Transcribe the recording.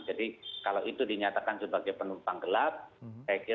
jadi kalau itu dinyatakan sebagai penumpang gelap saya kira itu memang dimungkinkan fenomena ini